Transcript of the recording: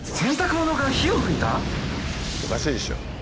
おかしいでしょ。